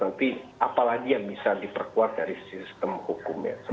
nanti apalagi yang bisa diperkuat dari sistem hukumnya